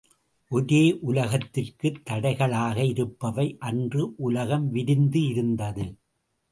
ஒரே உலகத்திற்குத் தடைகளாக இருப்பவை அன்று உலகம் விரிந்து இருந்தது.